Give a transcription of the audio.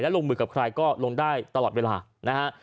ลงมือกับใครก็ลงได้ตลอดเวลานะฮะ